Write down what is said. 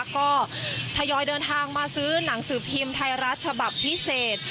ก็ทยอยเดินทางมาซื้อหนังสือพิมพ์ไทยรัฐฉบับพิเศษ